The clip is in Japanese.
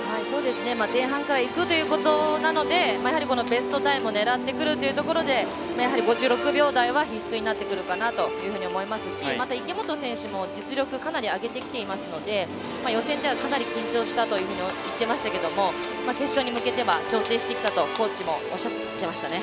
前半からいくということなのでやはりベストタイムを狙ってくるということでやはり５６秒台は必須になってくるかなというふうに思いますしまた池本選手も実力をかなり上げてきていますので予選では、かなり緊張したと言っていましたけど決勝に向けては調整してきたとコーチもおっしゃってましたね。